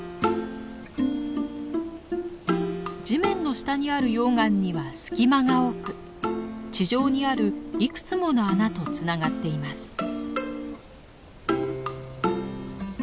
地面の下にある溶岩には隙間が多く地上にあるいくつもの穴とつながっています。